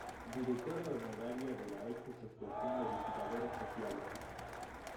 Directora honoraria de la ex Asociación de visitadoras sociales.